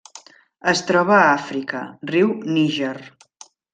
Es troba a Àfrica: riu Níger.